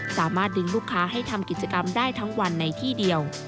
สามารถดึงลูกค้าให้ทำกิจกรรมได้ทั้งวันในที่เดียว